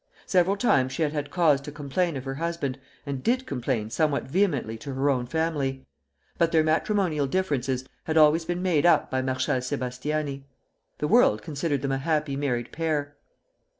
Several times she had had cause to complain of her husband, and did complain somewhat vehemently to her own family; but their matrimonial differences had always been made up by Marshal Sébastiani. The world considered them a happy married pair.